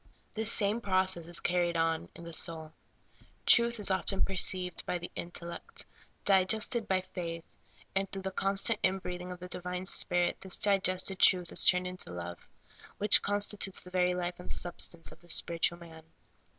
This same process is carried on in the soul. Truth is perceived by the intellect, digested by the faith, and through the constant in breathing of the divine Spirit this digested truth is turned into love, which consti tutes the very life and substance of the spiritual man.